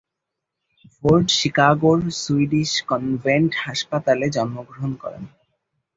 Ford শিকাগোর Swedish convent হাসপাতালে জন্মগ্রহণ করেন।